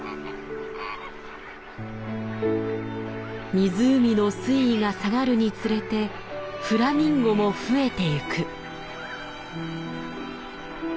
湖の水位が下がるにつれてフラミンゴも増えてゆく。